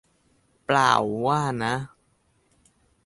เปล่าว่านะ